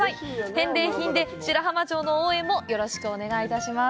返礼品で、白浜町の応援もよろしくお願いいたします。